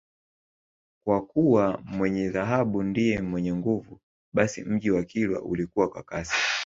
Kwa kuwa mwenye dhahabu ndiye mwenye nguvu basi mji wa Kilwa ulikua kwa kasi